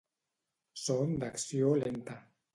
Són d'acció lenta.